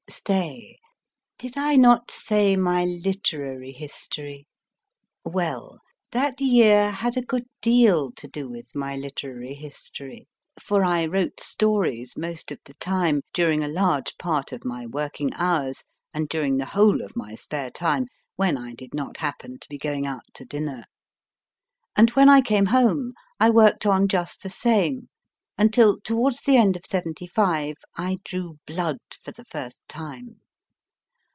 Stay did I not say my literary history ? Well, that year had a good deal to do with my literary history, for I wrote JOHN STRANGE WINTER 2 43 stories most of the time, during a large part of my working hours and during the whole of my spare time, when I did not happen to be going out to dinner. And when I came home, I worked on just the same until, towards the end of 75, 1 drew blood for the first time.